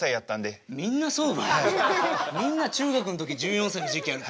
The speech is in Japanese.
みんな中学の時１４歳の時期ある。